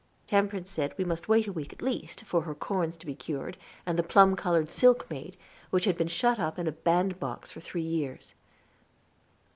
Temperance said we must wait a week at least, for her corns to be cured, and the plum colored silk made, which had been shut up in a band box for three years.